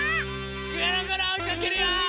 ぐるぐるおいかけるよ！